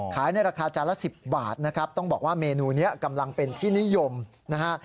ในราคาจานละ๑๐บาทนะครับต้องบอกว่าเมนูนี้กำลังเป็นที่นิยมนะฮะ